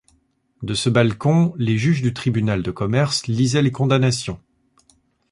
De ce balcon les juges du tribunal de commerce lisaient les condamnations.